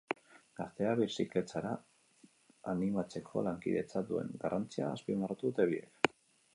Gazteak birziklatzera animatzeko, lankidetzak duen garrantzia azpimarratu dute biek.